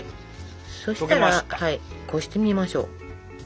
そしたらこしてみましょう。